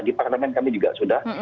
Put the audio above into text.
di parlemen kami juga sudah